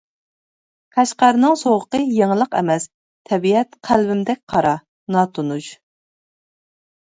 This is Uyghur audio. قەشقەرنىڭ سوغۇقى يېڭىلىق ئەمەس، تەبىئەت قەلبىمدەك قارا، ناتونۇش.